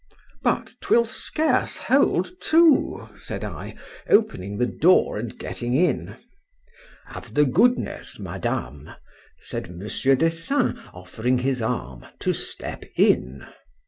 —But 'twill scarce hold two, said I, opening the door and getting in.—Have the goodness, Madame, said Mons. Dessein, offering his arm, to step in.